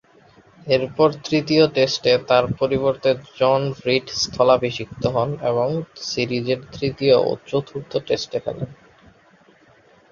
এরপর, তৃতীয় টেস্টে তার পরিবর্তে জন রিড স্থলাভিষিক্ত হন এবং সিরিজের তৃতীয় ও চতুর্থ টেস্টে খেলেন।